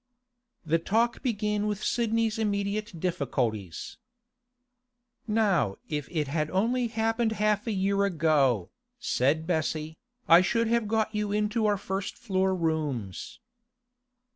The talk began with Sidney's immediate difficulties. 'Now if it had only happened half a year ago,' said Bessie, 'I should have got you into our first floor rooms.